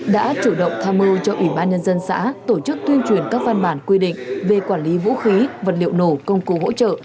đã chủ động tham mưu cho ủy ban nhân dân xã tổ chức tuyên truyền các văn bản quy định về quản lý vũ khí vật liệu nổ công cụ hỗ trợ